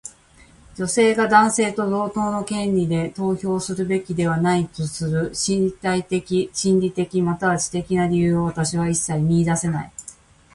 女性が男性と同等の権利で投票するべきではないとする身体的、心理的、または知的な理由を私は一切見いだせない。